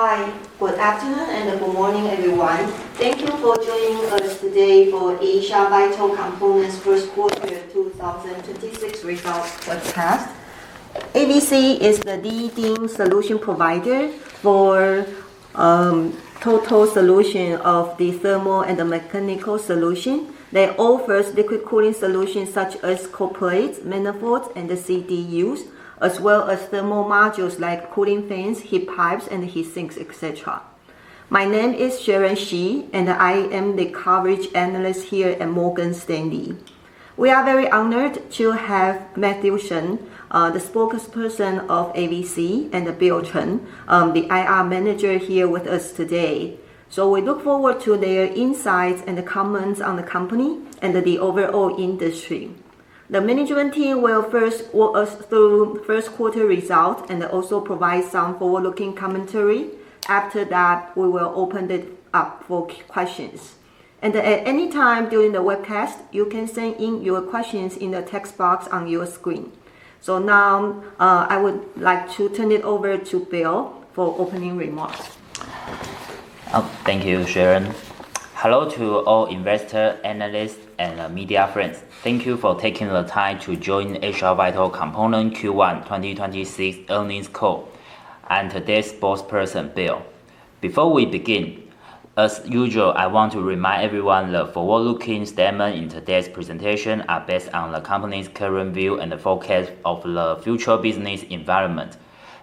Hi. Good afternoon and good morning, everyone. Thank you for joining us today for Asia Vital Components First Quarter 2026 Results Webcast. AVC is the leading solution provider for total solution of the thermal and the mechanical solution that offers liquid cooling solutions such as cold plates, manifolds, and the CDUs, as well as thermal modules like cooling fans, heat pipes, and heat sinks, et cetera. My name is Shannon Shi, and I am the coverage analyst here at Morgan Stanley. We are very honored to have Matthew Shen, the Spokesperson of AVC, and Bill Chen, the IR Manager here with us today. We look forward to their insights and the comments on the company and the overall industry. The management team will first walk us through first quarter results and also provide some forward-looking commentary. After that, we will open it up for questions. At any time during the webcast, you can send in your questions in the text box on your screen. Now, I would like to turn it over to Bill for opening remarks. Thank you, Shannon. Hello to all investors, analysts, and media friends. Thank you for taking the time to join Asia Vital Components Q1 2026 Earnings Call. I'm today's Spokesperson, Bill. Before we begin, as usual, I want to remind everyone the forward-looking statement in today's presentation are based on the company's current view and the forecast of the future business environment.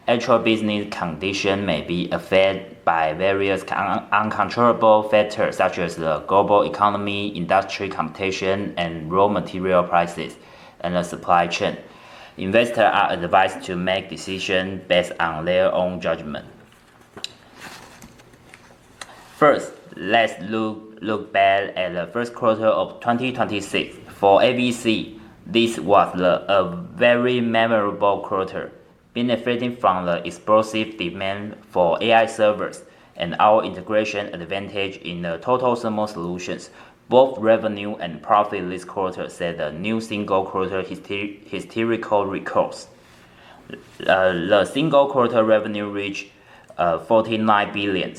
Actual business condition may be affected by various uncontrollable factors such as the global economy, industry competition, and raw material prices, and the supply chain. Investors are advised to make decisions based on their own judgment. First, let's look back at the first quarter of 2026. For AVC, this was a very memorable quarter. Benefiting from the explosive demand for AI servers and our integration advantage in the total thermal solutions, both revenue and profit this quarter set a new single quarter historical records. The single quarter revenue reached 49 billion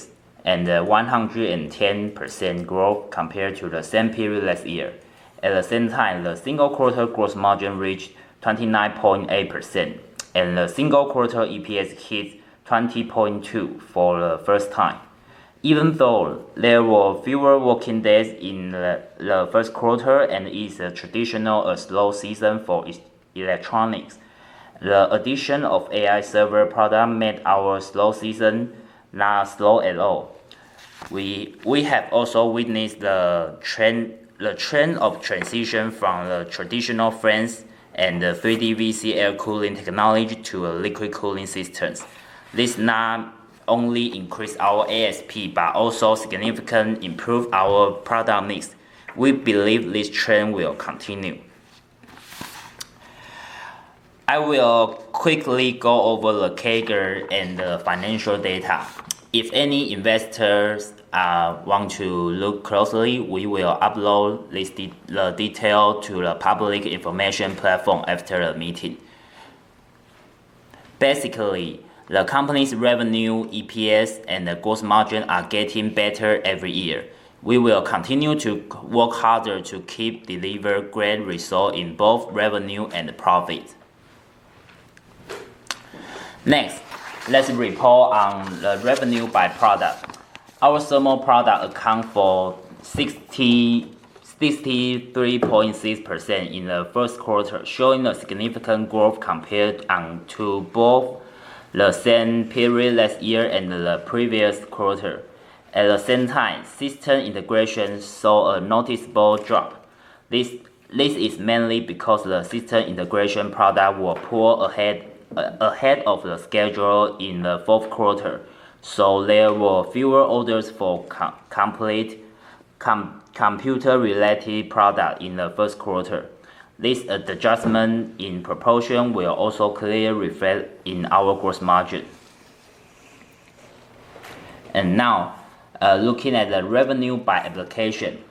and a 110% growth compared to the same period last year. At the same time, the single quarter gross margin reached 29.8%, and the single quarter EPS hit 20.2 for the first time. Even though there were fewer working days in the first quarter and is a traditional slow season for electronics, the addition of AI server product made our slow season not slow at all. We have also witnessed the trend of transition from the traditional fans and the 3D VC cooling technology to liquid cooling systems. This not only increase our ASP, but also significantly improve our product mix. We believe this trend will continue. I will quickly go over the CAGR and the financial data. If any investors want to look closely, we will upload this the detail to the public information platform after the meeting. Basically, the company's revenue, EPS, and the gross margin are getting better every year. We will continue to work harder to keep deliver great results in both revenue and profit. Next, let's report on the revenue by product. Our thermal product account for 63.6% in the first quarter, showing a significant growth compared to both the same period last year and the previous quarter. At the same time, system integration saw a noticeable drop. This is mainly because the system integration product were pulled ahead of the schedule in the fourth quarter, so there were fewer orders for complete computer related product in the first quarter. This adjustment in proportion will also clearly reflect in our gross margin. Now, looking at the revenue by application.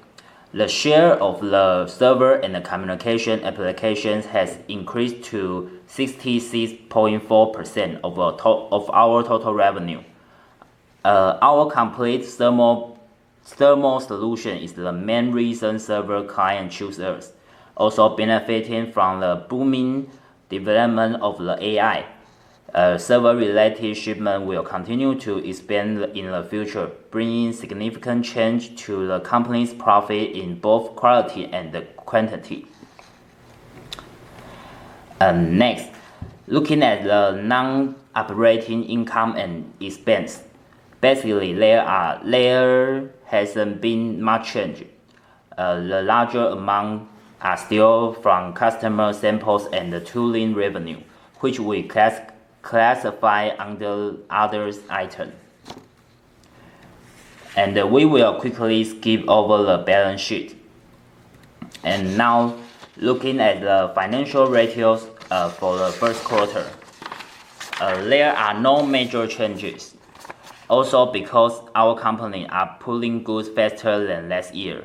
The share of the server and the communication applications has increased to 66.4% of our total revenue. Our complete thermal solution is the main reason server client choose us. Also benefiting from the booming development of the AI, server related shipment will continue to expand in the future, bringing significant change to the company's profit in both quality and quantity. Next, looking at the non-operating income and expense. Basically, there hasn't been much change. The larger amount are still from customer samples and the tooling revenue, which we classify under others item. We will quickly skip over the balance sheet. Now, looking at the financial ratios for the first quarter. There are no major changes. Also, because our company are pulling goods faster than last year.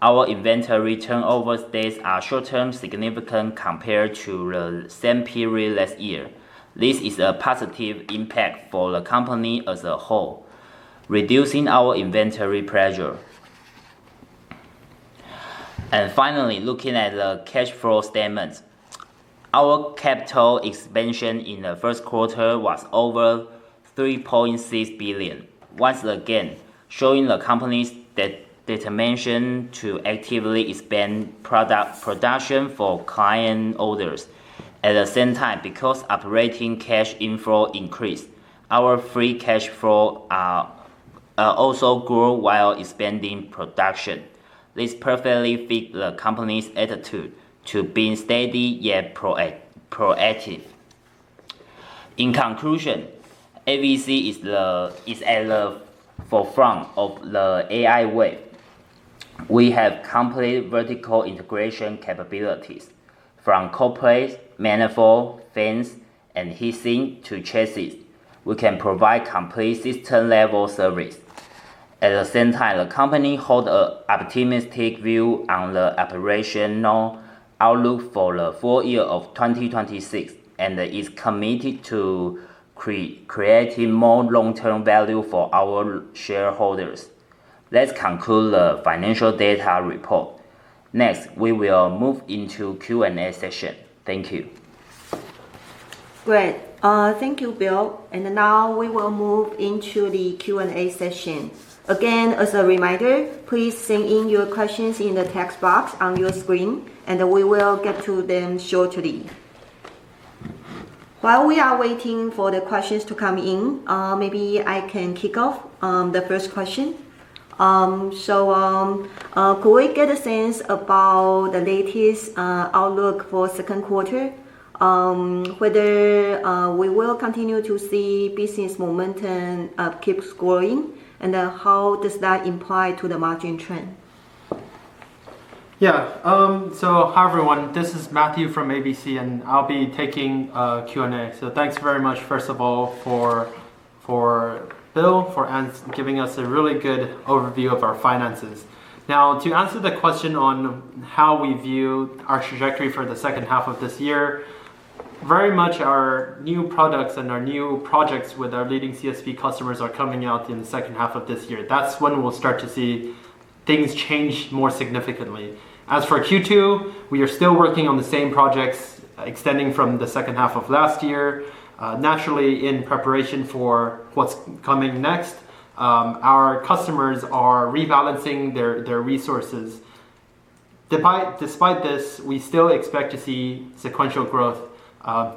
Our inventory turnover days are short-term significant compared to the same period last year. This is a positive impact for the company as a whole, reducing our inventory pressure. Finally, looking at the cash flow statement. Our capital expansion in the first quarter was over 3.6 billion, once again showing the company's determination to actively expand product production for client orders. At the same time, because operating cash inflow increased, our free cash flow are also grew while expanding production. This perfectly fit the company's attitude to being steady yet proactive. In conclusion, AVC is at the forefront of the AI wave. We have complete vertical integration capabilities. From cold plates, manifold, fans, and heat sink to chassis, we can provide complete system-level service. At the same time, the company hold a optimistic view on the operational outlook for the full year of 2026, and is committed to creating more long-term value for our shareholders. Let's conclude the financial data report. We will move into Q&A session. Thank you. Great. Thank you, Bill. Now we will move into the Q&A session. Again, as a reminder, please send in your questions in the text box on your screen, and we will get to them shortly. While we are waiting for the questions to come in, maybe I can kick off the first question. Could we get a sense about the latest outlook for 2nd quarter? Whether we will continue to see business momentum keeps growing, and how does that imply to the margin trend? Yeah. Hi, everyone. This is Matthew from AVC, and I'll be taking Q&A. Thanks very much, first of all, for Bill giving us a really good overview of our finances. Now, to answer the question on how we view our trajectory for the second half of this year, very much our new products and our new projects with our leading CSP customers are coming out in the second half of this year. That's when we'll start to see things change more significantly. As for Q2, we are still working on the same projects extending from the second half of last year. Naturally, in preparation for what's coming next, our customers are rebalancing their resources. Despite this, we still expect to see sequential growth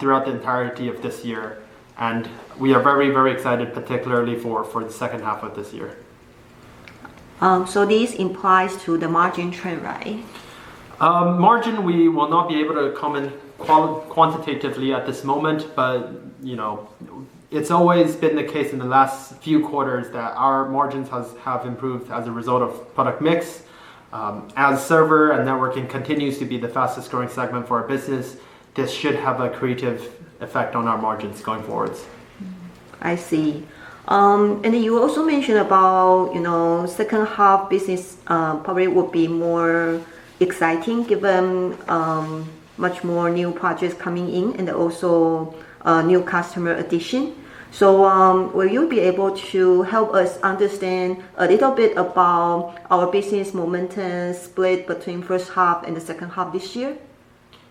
throughout the entirety of this year, and we are very, very excited, particularly for the second half of this year. This implies to the margin trend, right? Margin, we will not be able to comment quantitatively at this moment, but, you know, it's always been the case in the last few quarters that our margins have improved as a result of product mix. As server and networking continues to be the fastest growing segment for our business, this should have a creative effect on our margins going forwards. I see. You also mentioned about, you know, second half business probably will be more exciting given much more new projects coming in and also new customer addition. Will you be able to help us understand a little bit about our business momentum split between first half and the second half this year?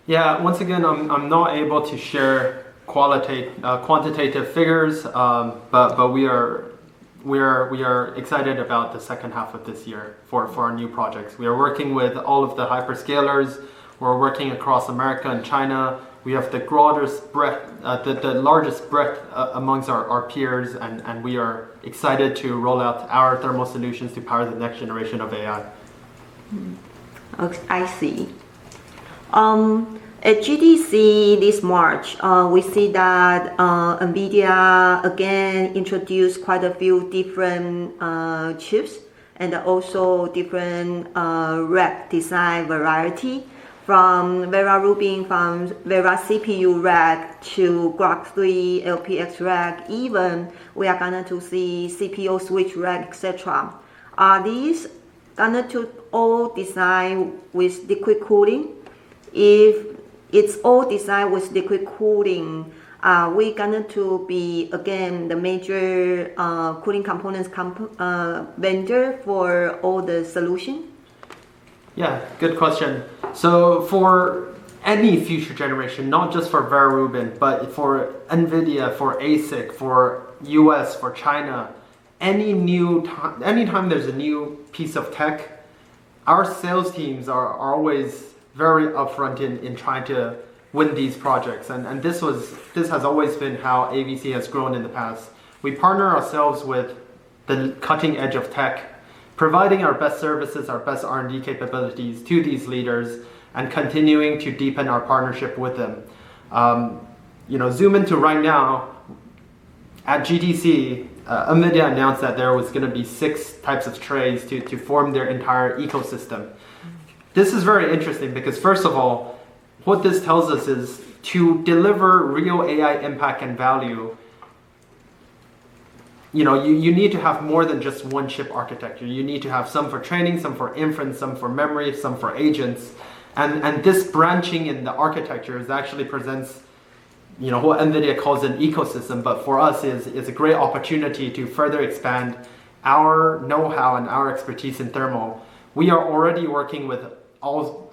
Yeah. Once again, I'm not able to share quantitative figures, but we are excited about the second half of this year for our new projects. We are working with all of the Hyperscalers. We're working across America and China. We have the broadest breadth, the largest breadth amongst our peers, and we are excited to roll out our thermal solutions to power the next generation of AI. I see. At GTC this March, we see that NVIDIA again introduced quite a few different chips and also different rack design variety from Vera Rubin, from Vera CPU Rack to NVIDIA Groq 3 LPX, even we are gonna to see CPO switch rack, et cetera. Are these gonna to all design with liquid cooling? If it's all designed with liquid cooling, we gonna to be again the major cooling components vendor for all the solution? Yeah. Good question. For any future generation, not just for Vera Rubin, but for NVIDIA, for ASIC, for U.S., for China, any time there's a new piece of tech, our sales teams are always very upfront in trying to win these projects, and this has always been how AVC has grown in the past. We partner ourselves with the cutting edge of tech, providing our best services, our best R&D capabilities to these leaders, continuing to deepen our partnership with them. you know, zoom into right now, at GTC, NVIDIA announced that there was gonna be six types of trays to form their entire ecosystem. This is very interesting because first of all, what this tells us is to deliver real AI impact and value. You know, you need to have more than just one chip architecture. You need to have some for training, some for inference, some for memory, some for agents. This branching in the architecture is actually presents, you know, what NVIDIA calls an ecosystem, but for us is a great opportunity to further expand our know-how and our expertise in thermal. We are already working with all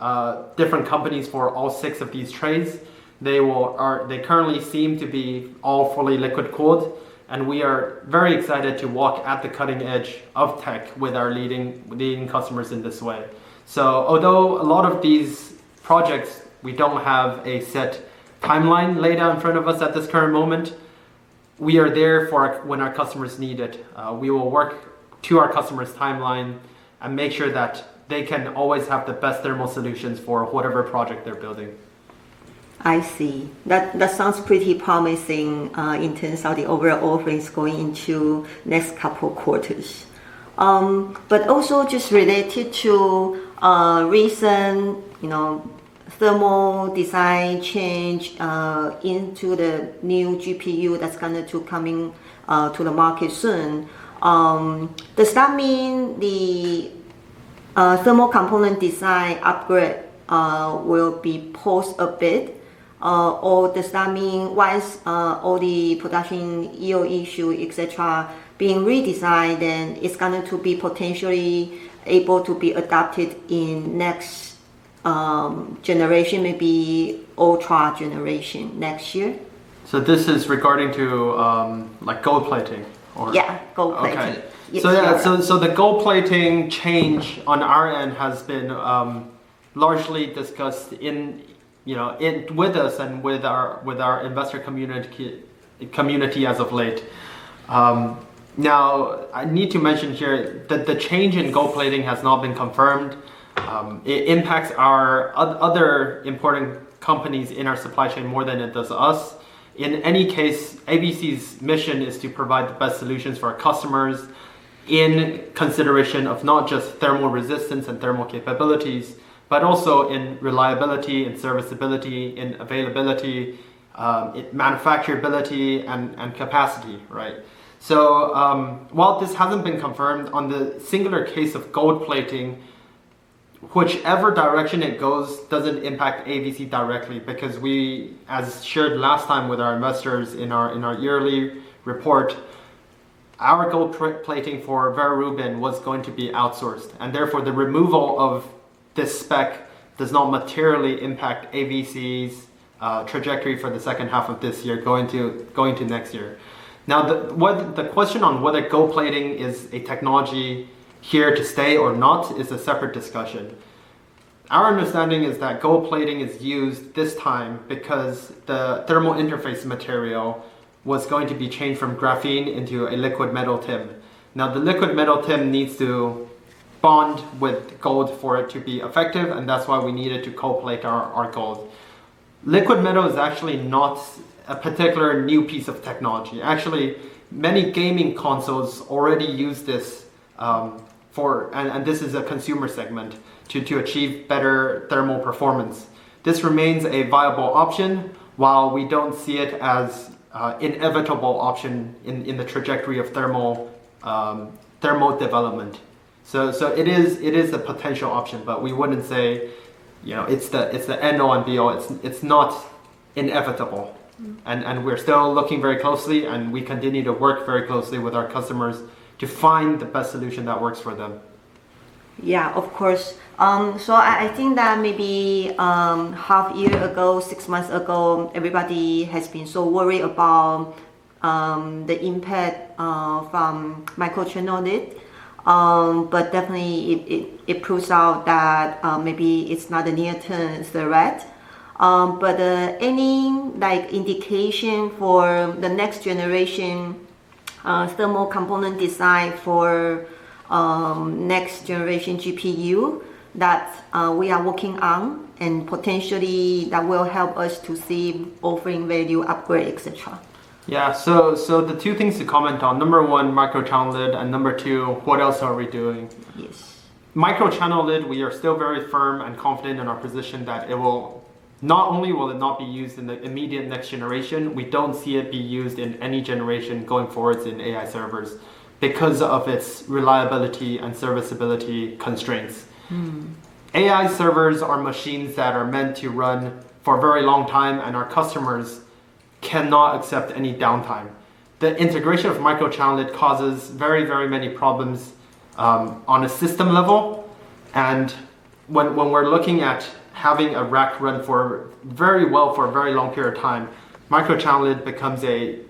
different companies for all six of these trays. They currently seem to be all fully liquid cooled, and we are very excited to walk at the cutting edge of tech with our leading customers in this way. Although a lot of these projects, we don't have a set timeline laid out in front of us at this current moment, we are there for when our customers need it. We will work to our customer's timeline and make sure that they can always have the best thermal solutions for whatever project they're building. I see. That sounds pretty promising, in terms of the overall offerings going into next couple quarters. Also just related to, you know, recent thermal design change, into the new GPU that's going to coming to the market soon. Does that mean the thermal component design upgrade will be paused a bit? Does that mean once all the production yield issue, et cetera, being redesigned, then it's going to be potentially able to be adopted in next generation, maybe ultra generation next year? This is regarding to, like gold plating. Yeah, gold plating. Okay. Yes. Yeah. The gold plating change on our end has been largely discussed in, you know, with us and with our investor community as of late. Now I need to mention here that the change in gold plating has not been confirmed. It impacts our other important companies in our supply chain more than it does us. In any case, AVC's mission is to provide the best solutions for our customers in consideration of not just thermal resistance and thermal capabilities, but also in reliability, in serviceability, in availability, manufacturability and capacity, right? While this hasn't been confirmed on the singular case of gold plating, whichever direction it goes doesn't impact AVC directly because we, as shared last time with our investors in our, in our yearly report, our gold plating for Vera Rubin was going to be outsourced, and therefore, the removal of this spec does not materially impact AVC's trajectory for the second half of this year going to next year. The question on whether gold plating is a technology here to stay or not is a separate discussion. Our understanding is that gold plating is used this time because the thermal interface material was going to be changed from graphene into a liquid metal TIM. The liquid metal TIM needs to bond with gold for it to be effective, and that's why we needed to gold plate our gold. Liquid metal is actually not a particular new piece of technology. Actually, many gaming consoles already use this for this is a consumer segment to achieve better thermal performance. This remains a viable option, while we don't see it as a inevitable option in the trajectory of thermal thermal development. It is a potential option. We wouldn't say, you know, it's the end all and be all. It's not inevitable. We're still looking very closely, and we continue to work very closely with our customers to find the best solution that works for them. Yeah, of course. I think that maybe half year ago, six months ago, everybody has been so worried about the impact from microchannel lid. Definitely it proves out that maybe it's not a near-term threat. Any, like, indication for the next generation thermal component design for next generation GPU that we are working on, and potentially that will help us to see offering value upgrade. Et cetera? Yeah. The two things to comment on, number one, microchannel lid, and number two, what else are we doing? Yes. Microchannel lid, we are still very firm and confident in our position that not only will it not be used in the immediate next generation, we don't see it be used in any generation going forwards in AI servers because of its reliability and serviceability constraints. AI servers are machines that are meant to run for a very long time, and our customers cannot accept any downtime. The integration of microchannel lid causes very many problems on a system level. When we're looking at having a rack run for very well for a very long period of time, microchannel lid becomes a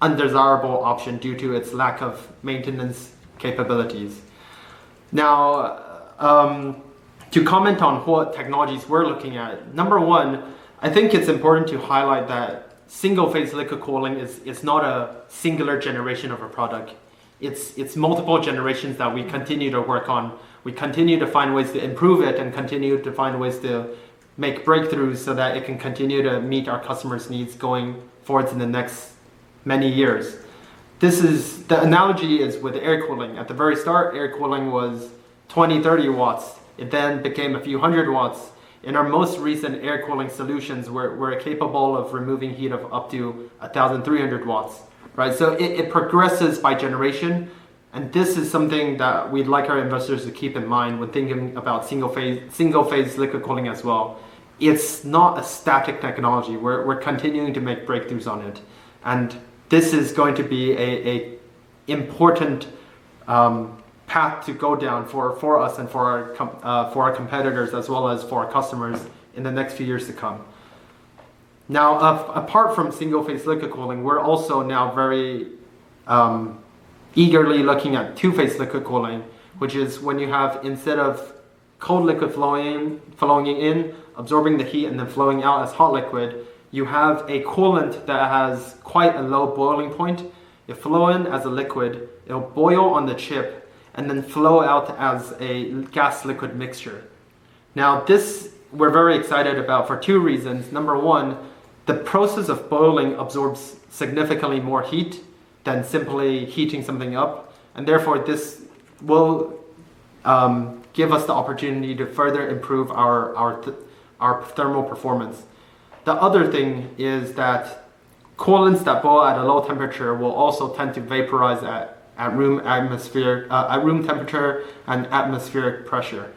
undesirable option due to its lack of maintenance capabilities. Now, to comment on what technologies we're looking at, number one, I think it's important to highlight that single-phase liquid cooling is not a singular generation of a product. It's multiple generations that we continue to work on. We continue to find ways to improve it and continue to find ways to make breakthroughs so that it can continue to meet our customers' needs going forwards in the next many years. The analogy is with air cooling. At the very start, air cooling was 20, 30 watts. It became a few hundred watts. In our most recent air cooling solutions, we're capable of removing heat of up to 1,300 watts, right? It progresses by generation, and this is something that we'd like our investors to keep in mind when thinking about single-phase liquid cooling as well. It's not a static technology. We're continuing to make breakthroughs on it, and this is going to be a important path to go down for us and for our competitors, as well as for our customers in the next few years to come. Apart from single-phase liquid cooling, we're also now very eagerly looking at two-phase liquid cooling, which is when you have instead of cold liquid flowing in, absorbing the heat, and then flowing out as hot liquid, you have a coolant that has quite a low boiling point. It flow in as a liquid. It'll boil on the chip, and then flow out as a gas-liquid mixture. This, we're very excited about for two reasons. Number one, the process of boiling absorbs significantly more heat than simply heating something up, and therefore, this will give us the opportunity to further improve our thermal performance. The other thing is that coolants that boil at a low temperature will also tend to vaporize at room atmosphere at room temperature and atmospheric pressure.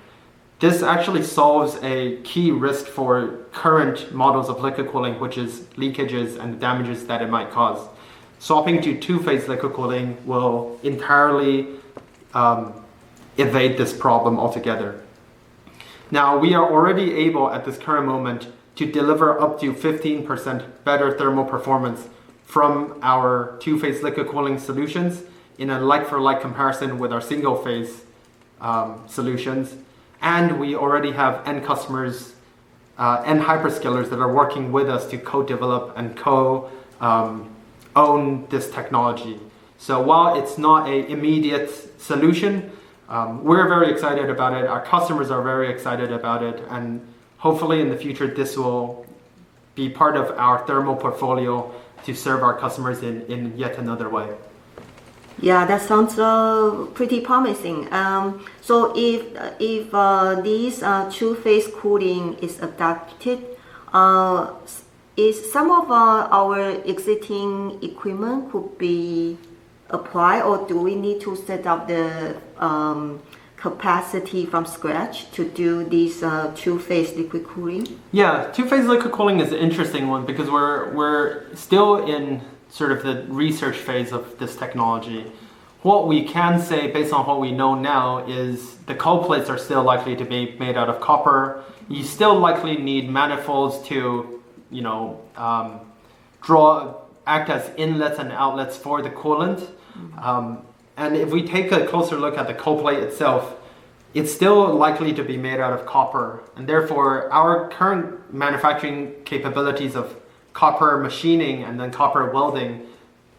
This actually solves a key risk for current models of liquid cooling, which is leakages and damages that it might cause. Swapping to two-phase liquid cooling will entirely evade this problem altogether. Now, we are already able, at this current moment, to deliver up to 15% better thermal performance from our two-phase liquid cooling solutions in a like for like comparison with our single-phase solutions, and we already have end customers, end Hyperscalers that are working with us to co-develop and co-own this technology. While it's not a immediate solution, we're very excited about it. Our customers are very excited about it, and hopefully in the future, this will be part of our thermal portfolio to serve our customers in yet another way. Yeah, that sounds pretty promising. If these two-phase cooling is adapted, is some of our existing equipment could be applied, or do we need to set up the capacity from scratch to do this two-phase liquid cooling? Two-phase liquid cooling is an interesting one because we're still in sort of the research phase of this technology. What we can say based on what we know now is the cold plates are still likely to be made out of copper. You still likely need manifolds to, you know, act as inlets and outlets for the coolant. If we take a closer look at the cold plate itself, it's still likely to be made out of copper, and therefore, our current manufacturing capabilities of copper machining and then copper welding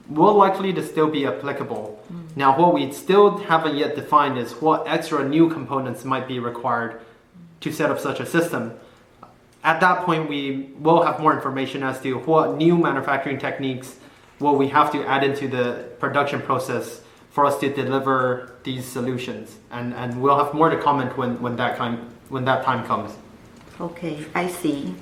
will likely to still be applicable. What we still haven't yet defined is what extra new components might be required to set up such a system. At that point, we will have more information as to what new manufacturing techniques, what we have to add into the production process for us to deliver these solutions and we'll have more to comment when that time comes. Okay. I see.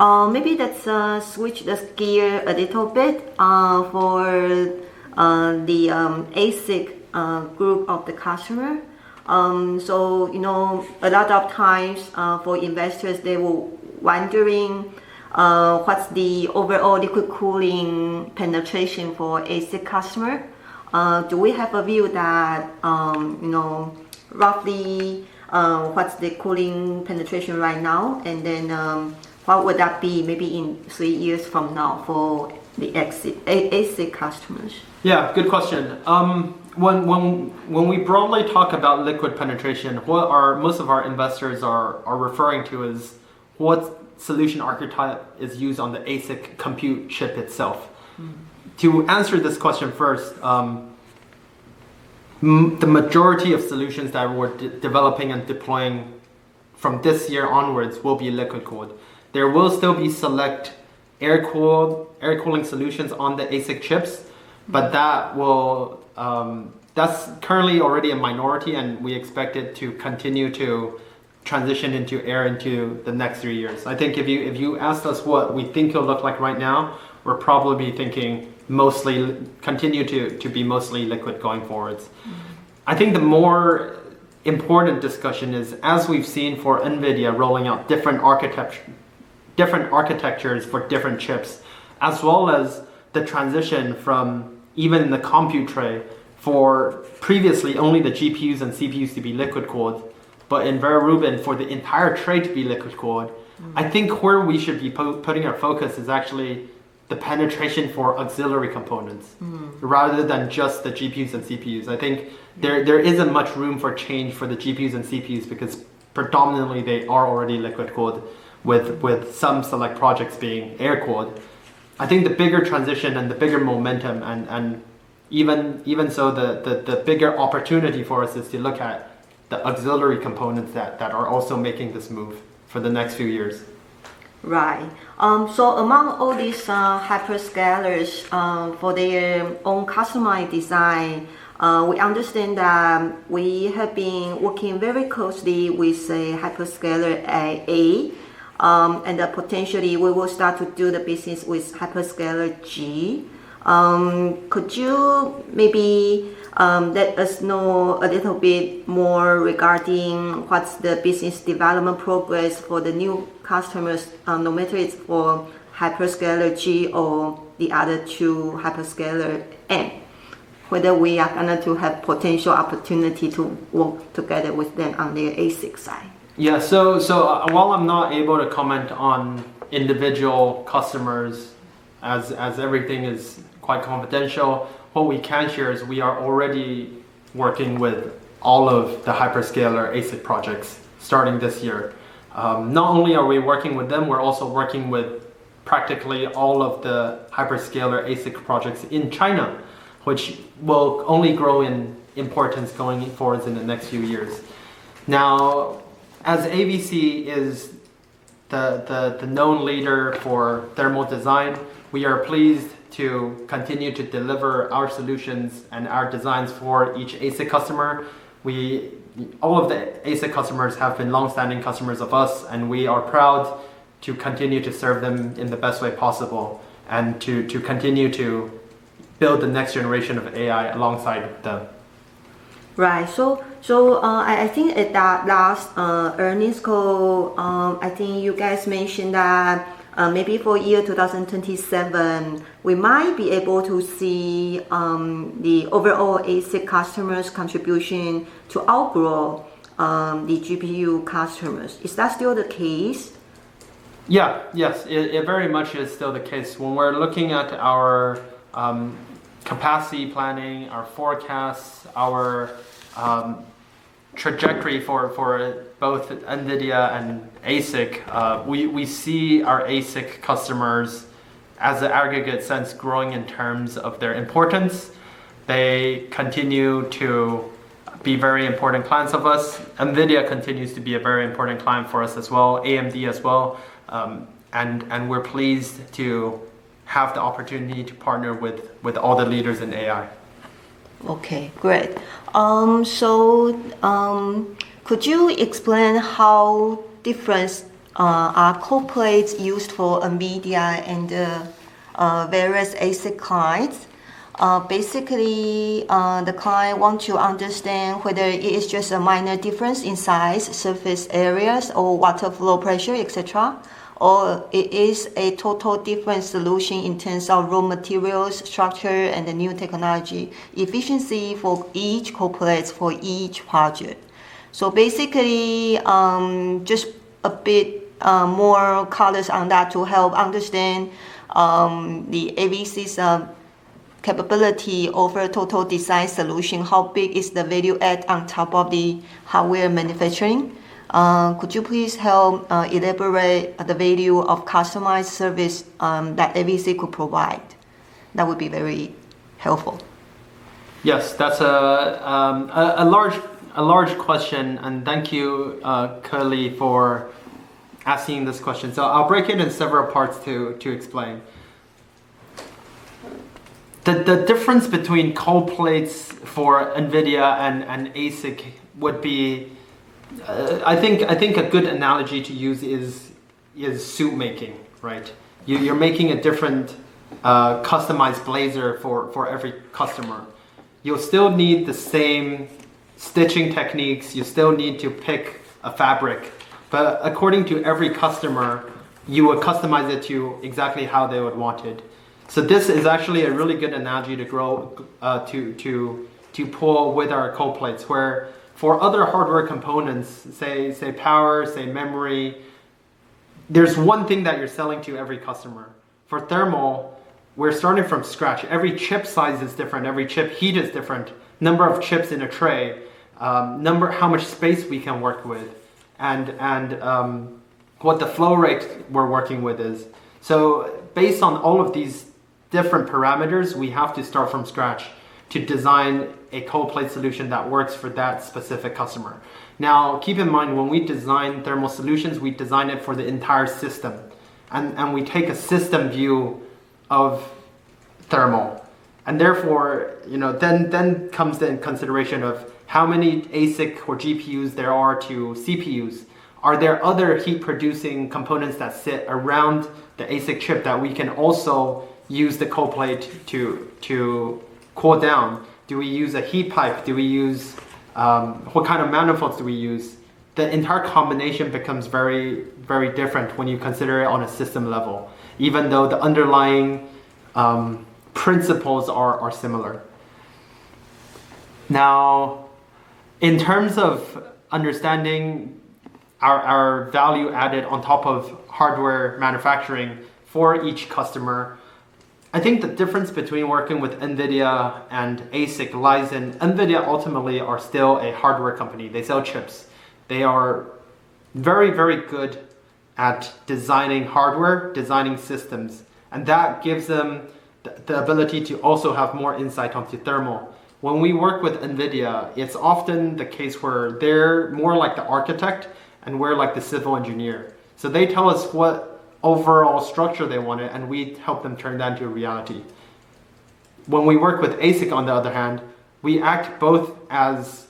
Maybe let's switch the gear a little bit for the ASIC group of the customer. You know, a lot of times, for investors, they will wondering, what's the overall liquid cooling penetration for ASIC customer. Do we have a view that, you know, roughly, what's the cooling penetration right now, and then, what would that be maybe in three years from now for the ASIC customers? Good question. When we broadly talk about liquid penetration, what most of our investors are referring to is what solution archetype is used on the ASIC compute chip itself. To answer this question first, the majority of solutions that we're developing and deploying from this year onwards will be liquid cooled. There will still be select air cooled, air cooling solutions on the ASIC chips. That will, that's currently already a minority, and we expect it to continue to transition into air into the next three years. I think if you, if you asked us what we think it'll look like right now, we're probably thinking mostly continue to be mostly liquid going forwards. I think the more important discussion is, as we've seen for NVIDIA rolling out different architectures for different chips, as well as the transition from even the compute tray for previously only the GPUs and CPUs to be liquid cooled, but in Vera Rubin for the entire tray to be liquid cooled. I think where we should be putting our focus is actually the penetration for auxiliary components. rather than just the GPUs and CPUs. I think there isn't much room for change for the GPUs and CPUs because predominantly they are already liquid cooled with some select projects being air cooled. I think the bigger transition and the bigger momentum and even so the bigger opportunity for us is to look at the auxiliary components that are also making this move for the next few years. Right. Among all these Hyperscalers, for their own customized design, we understand that we have been working very closely with a Hyperscaler A, and that potentially we will start to do the business with Hyperscaler G. Could you maybe let us know a little bit more regarding what's the business development progress for the new customers, no matter it's for Hyperscaler G or the other two Hyperscaler M, whether we are gonna have potential opportunity to work together with them on the ASIC side? While I'm not able to comment on individual customers as everything is quite confidential, what we can share is we are already working with all of the hyperscaler ASIC projects starting this year. Not only are we working with them, we are also working with practically all of the hyperscaler ASIC projects in China, which will only grow in importance going forwards in the next few years. As AVC is the known leader for thermal design, we are pleased to continue to deliver our solutions and our designs for each ASIC customer. All of the ASIC customers have been longstanding customers of us, and we are proud to continue to serve them in the best way possible and to continue to build the next generation of AI alongside them. Right. I think at that last earnings call, I think you guys mentioned that maybe for year 2027, we might be able to see the overall ASIC customers' contribution to outgrow the GPU customers. Is that still the case? Yeah. Yes. It very much is still the case. When we're looking at our capacity planning, our forecasts, our trajectory for both NVIDIA and ASIC, we see our ASIC customers as an aggregate sense growing in terms of their importance. They continue to be very important clients of us. NVIDIA continues to be a very important client for us as well, AMD as well. We're pleased to have the opportunity to partner with all the leaders in AI. Great. Could you explain how different are cold plates used for NVIDIA and the various ASIC clients? Basically, the client want to understand whether it is just a minor difference in size, surface areas, or water flow pressure, et cetera, or it is a total different solution in terms of raw materials, structure, and the new technology efficiency for each cold plates for each project. Basically, just a bit more colors on that to help understand the AVC's capability over total design solution. How big is the value add on top of the hardware manufacturing? Could you please help elaborate the value of customized service that AVC could provide? That would be very helpful. Yes. That's a large question, and thank you, Curly, for asking this question. I'll break it in several parts to explain. The difference between cold plates for NVIDIA and ASIC would be, I think a good analogy to use is suit making, right? You're making a different customized blazer for every customer. You'll still need the same stitching techniques. You still need to pick a fabric. According to every customer, you would customize it to exactly how they would want it. This is actually a really good analogy to grow, to pull with our cold plates, where for other hardware components, say power, say memory, there's one thing that you're selling to every customer. For thermal, we're starting from scratch. Every chip size is different. Every chip heat is different. Number of chips in a tray, how much space we can work with and what the flow rates we're working with is. Based on all of these different parameters, we have to start from scratch to design a cold plate solution that works for that specific customer. Now, keep in mind, when we design thermal solutions, we design it for the entire system. We take a system view of thermal. Therefore, you know, then comes in consideration of how many ASIC or GPUs there are to CPUs. Are there other heat-producing components that sit around the ASIC chip that we can also use the cold plate to cool down? Do we use a heat pipe? Do we use what kind of manifolds do we use? The entire combination becomes very, very different when you consider it on a system level, even though the underlying principles are similar. In terms of understanding our value added on top of hardware manufacturing for each customer, I think the difference between working with NVIDIA and ASIC lies in NVIDIA ultimately are still a hardware company. They sell chips. They are very, very good at designing hardware, designing systems, and that gives them the ability to also have more insight onto thermal. When we work with NVIDIA, it's often the case where they're more like the architect and we're like the civil engineer. They tell us what overall structure they wanted, and we help them turn that into a reality. When we work with ASIC, on the other hand, we act both as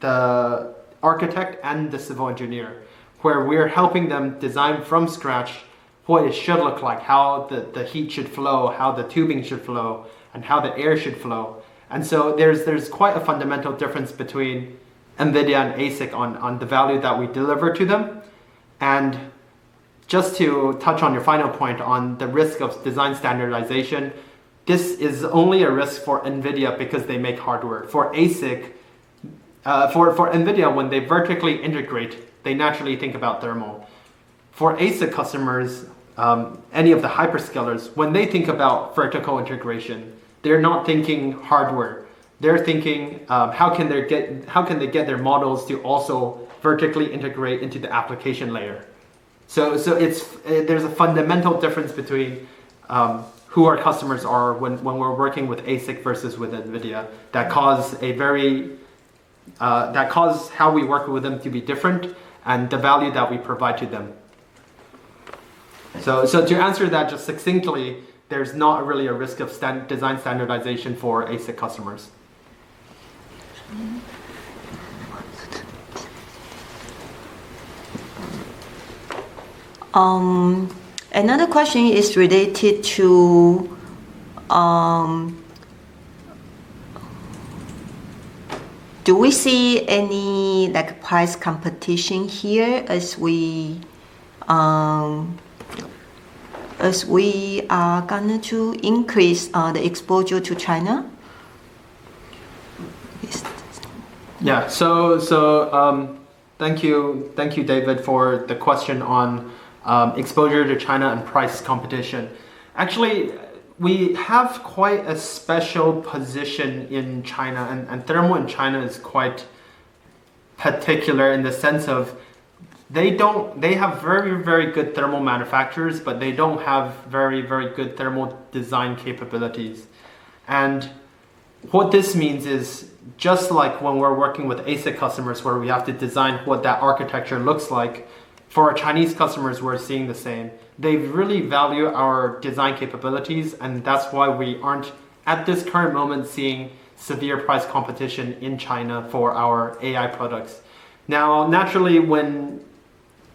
the architect and the civil engineer, where we're helping them design from scratch what it should look like, how the heat should flow, how the tubing should flow, and how the air should flow. There's quite a fundamental difference between NVIDIA and ASIC on the value that we deliver to them. Just to touch on your final point on the risk of design standardization, this is only a risk for NVIDIA because they make hardware. For NVIDIA, when they vertically integrate, they naturally think about thermal. For ASIC customers, any of the Hyperscalers, when they think about vertical integration, they're not thinking hardware. They're thinking, how can they get their models to also vertically integrate into the application layer. There's a fundamental difference between, who our customers are when we're working with ASIC versus with NVIDIA that cause how we work with them to be different and the value that we provide to them. Okay. To answer that just succinctly, there's not really a risk of design standardization for ASIC customers. Another question is related to, do we see any, like, price competition here as we are going to increase the exposure to China? Thank you, thank you, David, for the question on exposure to China and price competition. Actually, we have quite a special position in China, and thermal in China is quite particular in the sense of they have very, very good thermal manufacturers, but they don't have very, very good thermal design capabilities. What this means is, just like when we're working with ASIC customers where we have to design what that architecture looks like, for our Chinese customers, we're seeing the same. They really value our design capabilities, and that's why we aren't, at this current moment, seeing severe price competition in China for our AI products. Now, naturally, when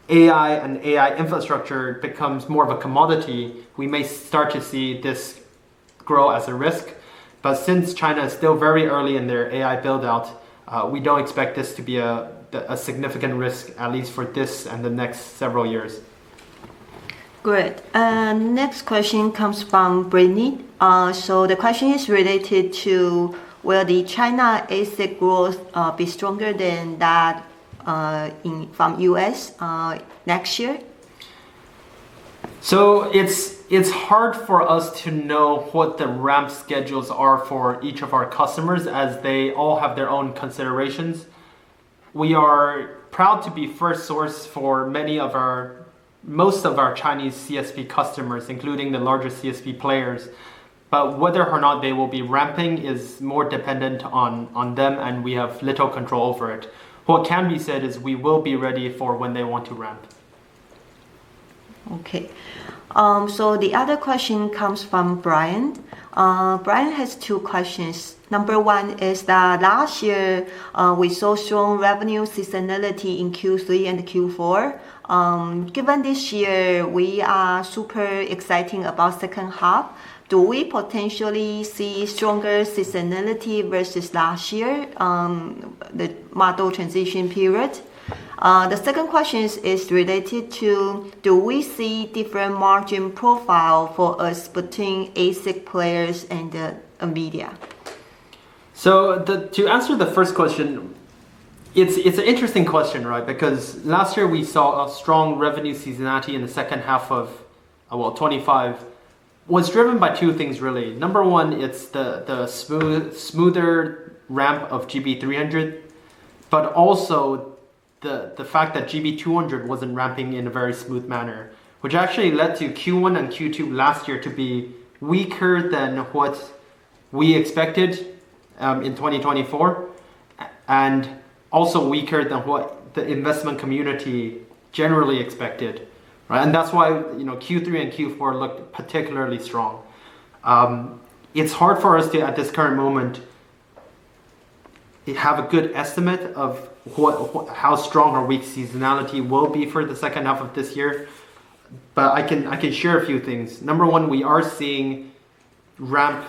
AI and AI infrastructure becomes more of a commodity, we may start to see this grow as a risk. Since China is still very early in their AI build-out, we don't expect this to be a significant risk, at least for this and the next several years. Good. Next question comes from Brittany. The question is related to will the China ASIC growth be stronger than that in, from U.S., next year? It's hard for us to know what the ramp schedules are for each of our customers as they all have their own considerations. We are proud to be first source for most of our Chinese CSP customers, including the larger CSP players. Whether or not they will be ramping is more dependent on them, and we have little control over it. What can be said is we will be ready for when they want to ramp. Okay. The other question comes from Brian. Brian has two questions. Number one is that last year, we saw strong revenue seasonality in Q3 and Q4. Given this year, we are super exciting about second half, do we potentially see stronger seasonality versus last year, the model transition period? The second question is related to do we see different margin profile for us between ASIC players and NVIDIA? To answer the first question, it's an interesting question, right? Because last year we saw a strong revenue seasonality in the second half of, well, 2025 was driven by two things really. Number one, it's the smoother ramp of GB300, but also the fact that GB200 wasn't ramping in a very smooth manner, which actually led to Q1 and Q2 last year to be weaker than what we expected in 2024, and also weaker than what the investment community generally expected, right? That's why, you know, Q3 and Q4 looked particularly strong. It's hard for us to, at this current moment, have a good estimate of what how strong or weak seasonality will be for the second half of this year, but I can share a few things. Number one, we are seeing ramp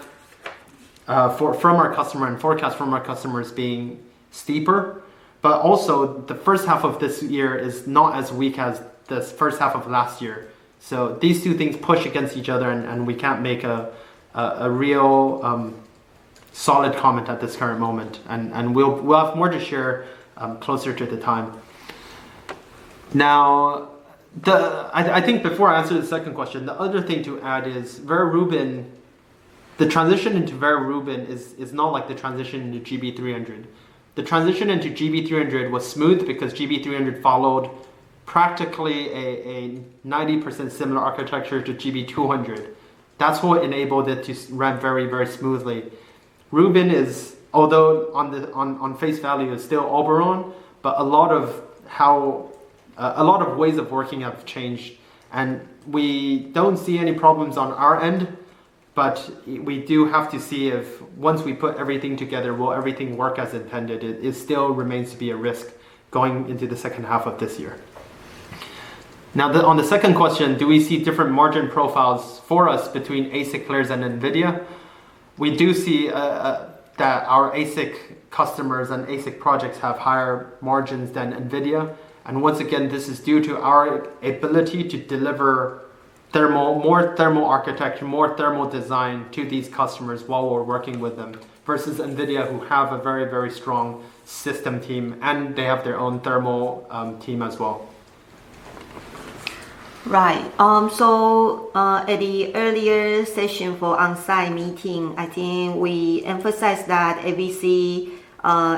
for, from our customer and forecast from our customers being steeper, but also the first half of this year is not as weak as the first half of last year. These two things push against each other and we can't make a real solid comment at this current moment. And we'll have more to share closer to the time. I think before I answer the second question, the other thing to add is Vera Rubin, the transition into Vera Rubin is not like the transition into GB300. The transition into GB300 was smooth because GB300 practically a 90% similar architecture to GB200. That's what enabled it to run very smoothly. Rubin is, although on the, on face value is still Oberon, but a lot of how, a lot of ways of working have changed, and we don't see any problems on our end, but we do have to see if once we put everything together, will everything work as intended? It still remains to be a risk going into the second half of this year. Now, on the second question, do we see different margin profiles for us between ASIC players and NVIDIA? We do see that our ASIC customers and ASIC projects have higher margins than NVIDIA, and once again, this is due to our ability to deliver thermal, more thermal architecture, more thermal design to these customers while we're working with them, versus NVIDIA, who have a very, very strong system team, and they have their own thermal team as well. Right. At the earlier session for on-site meeting, I think we emphasized that AVC,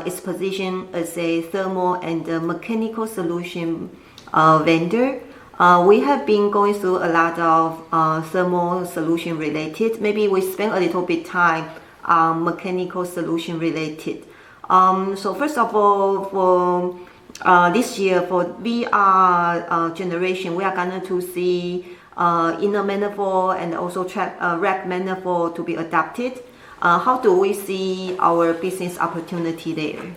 its position as a thermal and a mechanical solution, vendor. We have been going through a lot of thermal solution related. Maybe we spend a little bit time, mechanical solution related. First of all, for this year, for VR, generation, we are going to see inner manifold and also rack manifold to be adapted. How do we see our business opportunity there?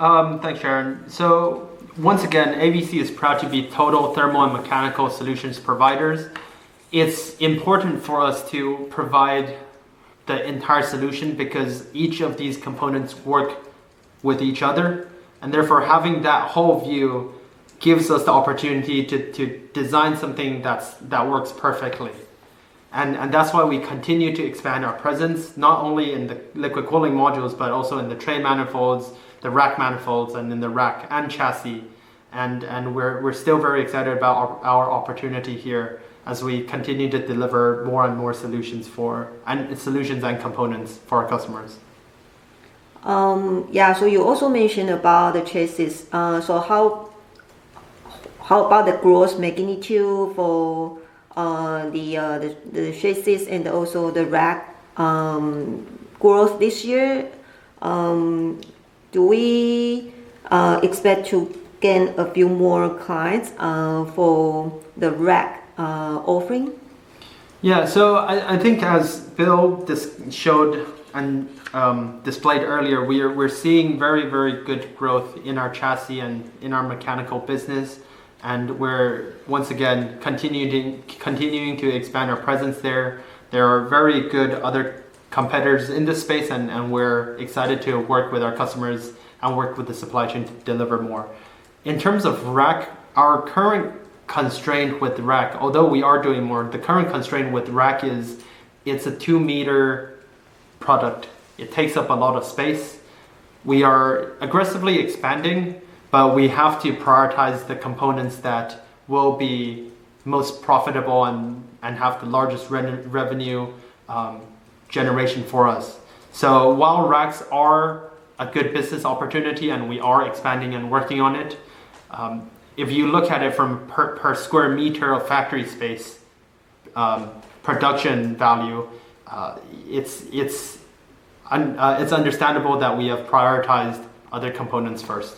Thanks, Shannon. Once again, AVC is proud to be total thermal and mechanical solutions providers. It's important for us to provide the entire solution because each of these components work with each other, and therefore having that whole view gives us the opportunity to design something that works perfectly. That's why we continue to expand our presence, not only in the liquid cooling modules, but also in the tray manifolds, the rack manifolds, and in the rack and chassis. We're still very excited about our opportunity here as we continue to deliver more and more solutions and components for our customers. Yeah. You also mentioned about the chassis. How about the growth magnitude for the chassis and also the rack, growth this year? Do we expect to gain a few more clients for the rack, offering? Yeah. I think as Bill showed and displayed earlier, we're seeing very, very good growth in our chassis and in our mechanical business, and we're once again continuing to expand our presence there. There are very good other competitors in this space, and we're excited to work with our customers and work with the supply chain to deliver more. In terms of rack, our current constraint with rack, although we are doing more, the current constraint with rack is it's a two-meter product. It takes up a lot of space. We are aggressively expanding, we have to prioritize the components that will be most profitable and have the largest revenue generation for us. While racks are a good business opportunity and we are expanding and working on it, if you look at it from per square meter of factory space, production value, it's understandable that we have prioritized other components first.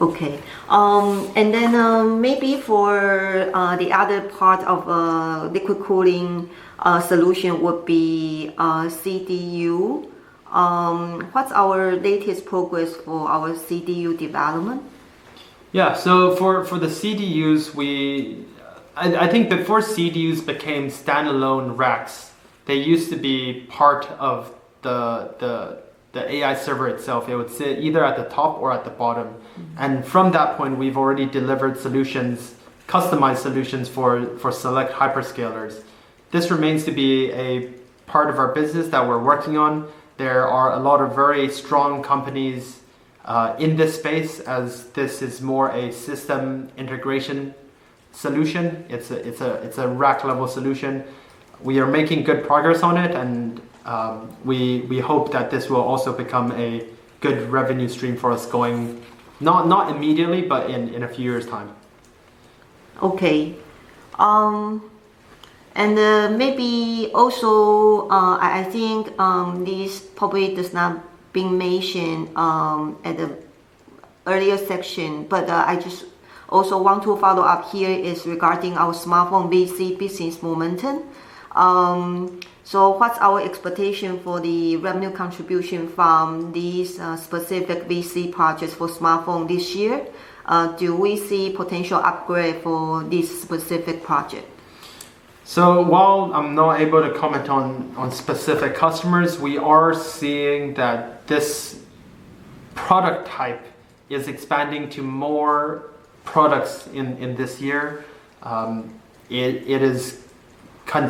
Okay. Maybe for the other part of liquid cooling solution would be CDU. What's our latest progress for our CDU development? Yeah. For the CDUs, I think before CDUs became standalone racks, they used to be part of the AI server itself. It would sit either at the top or at the bottom. From that point, we've already delivered solutions, customized solutions for select hyperscalers. This remains to be a part of our business that we're working on. There are a lot of very strong companies in this space as this is more a system integration solution. It's a rack-level solution. We are making good progress on it, we hope that this will also become a good revenue stream for us going, not immediately, but in a few years' time. Okay. Maybe also, I think, this probably does not been mentioned, at the earlier section, but, I just also want to follow up here is regarding our smartphone VC business momentum. What's our expectation for the revenue contribution from these, specific VC projects for smartphone this year? Do we see potential upgrade for this specific project? While I'm not able to comment on specific customers, we are seeing that this product type is expanding to more products in this year. It is a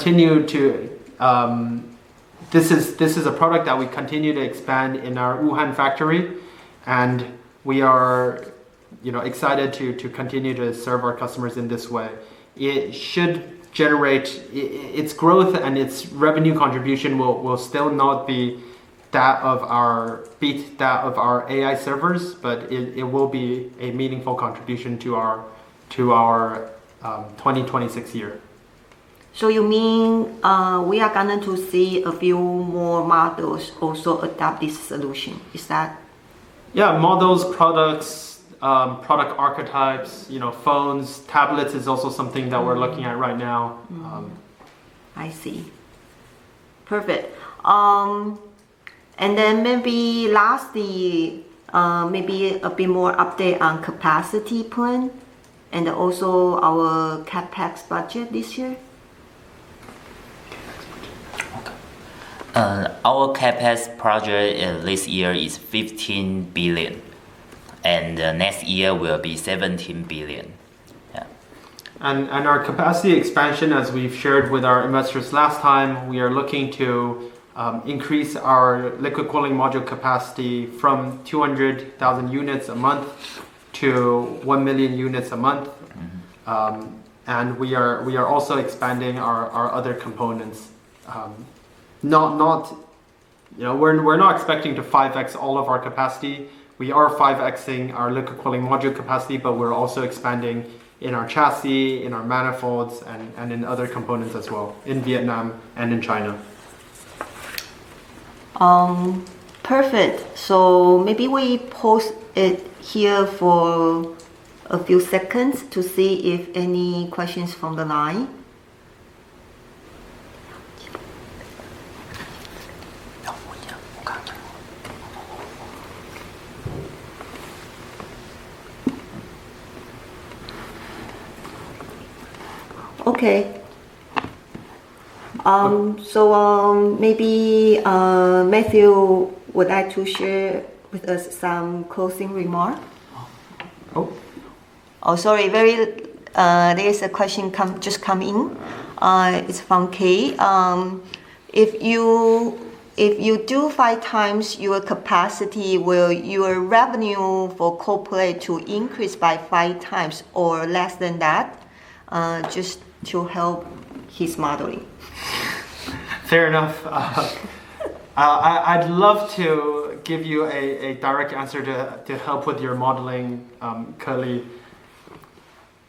product that we continue to expand in our Wuhan factory, and we are, you know, excited to continue to serve our customers in this way. Its growth and its revenue contribution will still not be that of our AI servers, it will be a meaningful contribution to our 2026 year. You mean, we are going to see a few more models also adopt this solution? Is that? Yeah, models, products, product archetypes, you know, phones, tablets is also something that we're looking at right now. Mm-hmm. I see. Perfect. Then maybe lastly, maybe a bit more update on capacity plan and also our CapEx budget this year. CapEx budget. Okay. Our CapEx budget this year is 15 billion. Next year will be 17 billion. Yeah. Our capacity expansion, as we've shared with our investors last time, we are looking to increase our liquid cooling module capacity from 200,000 units a month to 1 million units a month. We are also expanding our other components. Not, you know, we're not expecting to 5x all of our capacity. We are 5x-ing our liquid cooling module capacity, but we're also expanding in our chassis, in our manifolds and in other components as well, in Vietnam and in China. Perfect. Maybe we pause it here for a few seconds to see if any questions from the line. Okay. Maybe Matthew would like to share with us some closing remark. Oh. Oh, sorry, very, there is a question just come in. It's from Kay. If you do five times your capacity, will your revenue for cold plates increase by five times or less than that? Just to help his modeling. Fair enough. I'd love to give you a direct answer to help with your modeling, Curly.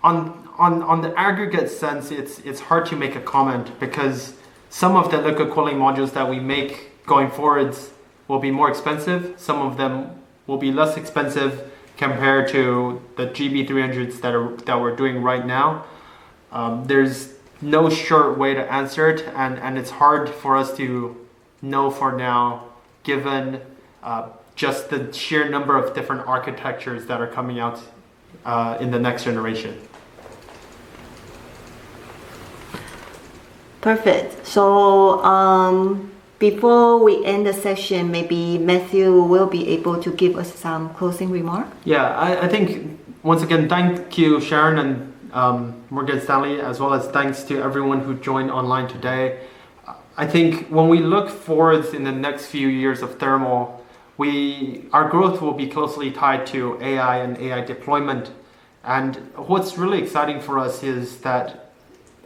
On the aggregate sense, it's hard to make a comment because some of the liquid cooling modules that we make going forwards will be more expensive. Some of them will be less expensive compared to the GB300s that we're doing right now. There's no sure way to answer it, and it's hard for us to know for now, given just the sheer number of different architectures that are coming out in the next generation. Perfect. Before we end the session, maybe Matthew will be able to give us some closing remark. Yeah. I think once again, thank you, Shannon and Morgan Stanley, as well as thanks to everyone who joined online today. I think when we look forwards in the next few years of thermal, our growth will be closely tied to AI and AI deployment. What's really exciting for us is that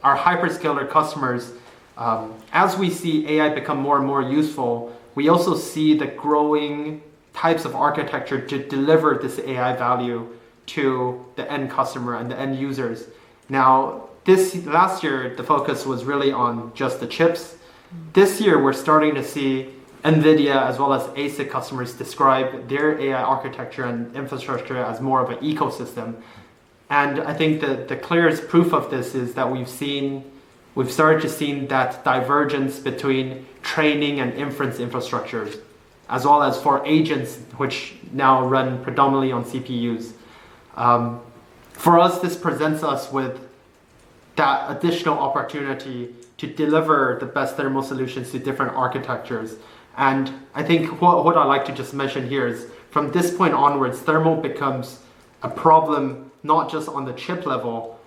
our hyperscaler customers, as we see AI become more and more useful, we also see the growing types of architecture to deliver this AI value to the end customer and the end users. Now, last year, the focus was really on just the chips. This year, we're starting to see NVIDIA as well as ASIC customers describe their AI architecture and infrastructure as more of an ecosystem. I think the clearest proof of this is that we've started to see that divergence between training and inference infrastructures, as well as for agents which now run predominantly on CPUs. For us, this presents us with that additional opportunity to deliver the best thermal solutions to different architectures. I think what I'd like to just mention here is from this point onwards, thermal becomes a problem not just on the chip level,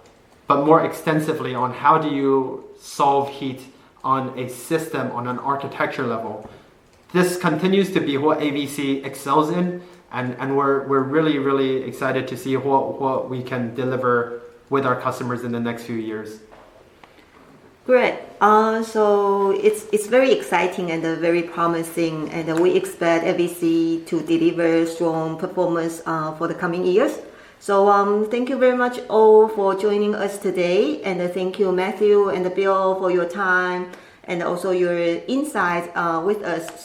but more extensively on how do you solve heat on a system on an architecture level. This continues to be what AVC excels in, and we're really excited to see what we can deliver with our customers in the next few years. Great. It's very exciting and very promising, and we expect AVC to deliver strong performance for the coming years. Thank you very much all for joining us today, and thank you Matthew and Bill for your time and also your insight with us.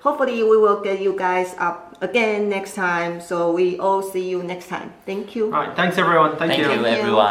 Hopefully we will get you guys up again next time. We all see you next time. Thank you. All right. Thanks, everyone. Thank you. Thank you, everyone.